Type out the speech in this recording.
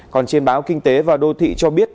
còn trên báo kinh tế và đô thị cho biết